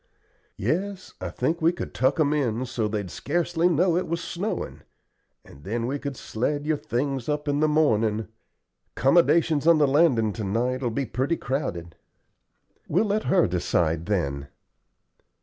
"Yes, I think we could tuck 'em in so they'd scarcely know it was snowin', and then we could sled your things up in the mornin'. 'Commodations on the landin' to night will be pretty crowded." "We'll let her decide, then."